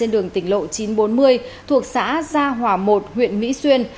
độ chín trăm bốn mươi thuộc xã gia hòa một huyện mỹ xuyên